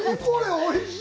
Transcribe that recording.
おいしい！